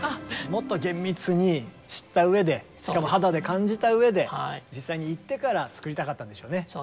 もっと厳密に知ったうえでしかも肌で感じたうえで実際に行ってから作りたかったんでしょうね。